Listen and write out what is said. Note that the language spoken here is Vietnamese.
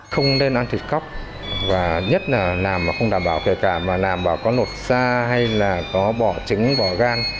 không nên ăn thịt cóc và nhất là làm mà không đảm bảo kể cả mà làm bảo có lột da hay là có bỏ trứng bỏ gan